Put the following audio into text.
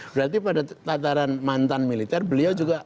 berarti pada tataran mantan militer beliau juga